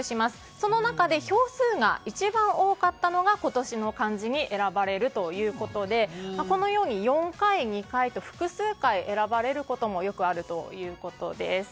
その中で票数が一番多かったものが今年の漢字に選ばれるということで４回、２回と複数回選ばれることもよくあるということです。